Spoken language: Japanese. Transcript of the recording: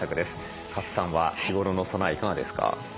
賀来さんは日頃の備えいかがですか？